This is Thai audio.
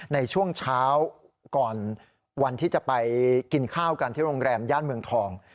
ในช่วงเช้าก่อนวันที่จะไปกินข้าวกันที่โรงแรมย่านเมืองทอง